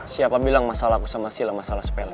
siapa bilang masalah aku sama sila masalah sepele